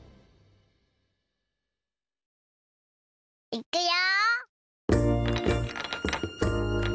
いくよ。